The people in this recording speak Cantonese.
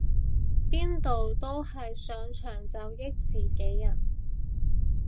邊度都係上場就益自己人